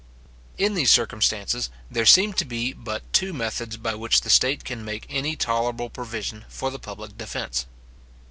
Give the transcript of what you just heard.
In these circumstances, there seem to be but two methods by which the state can make any tolerable provision for the public defence.